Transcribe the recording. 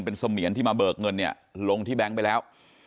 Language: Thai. เป็นเสมียนที่มาเบิกเงินเนี่ยลงที่แบงค์ไปแล้ว